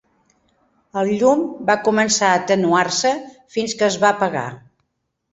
El llum va començar a atenuar-se fins que es va apagar.